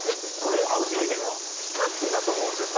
光ってたと思うんすよ